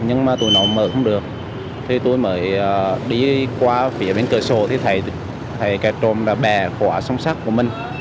nhưng mà tụi nó mở không được thì tôi mới đi qua phía bên cửa sổ thì thấy trộm bẻ khóa sông sắt của mình